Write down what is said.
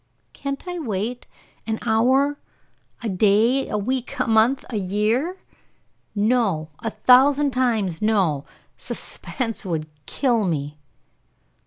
"Can't I wait an hour, a day, a week, a month, a year?" "No! a thousand times no! Suspense would kill me!"